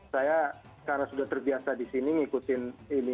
saya karena sudah terbiasa di sini ngikutin ini